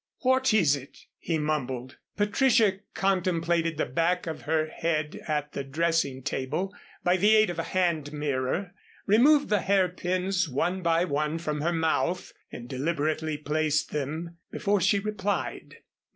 "What is it?" he mumbled. Patricia contemplated the back of her head at the dressing table by the aid of a hand mirror, removed the hairpins one by one from her mouth and deliberately placed them before she replied.